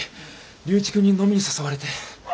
龍一君に飲みに誘われて。